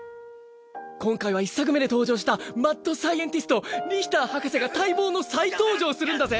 今回は１作目で登場したマッドサイエンティストリヒター博士が待望の再登場するんだぜ！